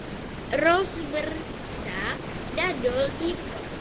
Rozmrzá na dolním toku na konci března a na horním toku na začátku dubna.